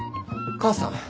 母さん！？